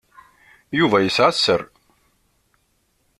Yuba yesɛa sser.